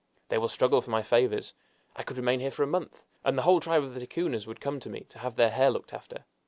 They will struggle for my favors. I could remain here for a month, and the whole tribe of the Ticunas would come to me to have their hair looked after!